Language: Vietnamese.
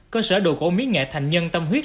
cơ sở đồ gỗ mỹ nghệ thành nhân tâm huyết